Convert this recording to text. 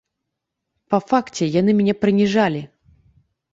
Па факце яны мяне прыніжалі.